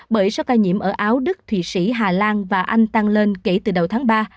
bởi số ca nhiễm ở áo đức thụy sĩ hà lan và anh tăng lên kể từ đầu tháng ba